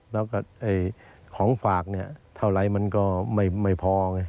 แล้วของฝากก็เท่าไรมันก็ไม่พอ